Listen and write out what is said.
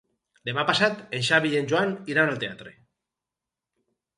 Demà passat en Xavi i en Joan iran al teatre.